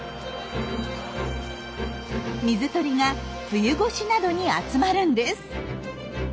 水鳥が冬越しなどに集まるんです。